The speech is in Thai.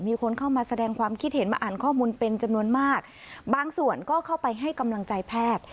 มีคนเข้ามาแสดงความคิดเห็นมาอ่านข้อมูลเป็นจำนวนมากบางส่วนก็เข้าไปให้กำลังใจแพทย์